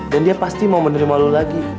dan dia pasti mau menerima kamu lagi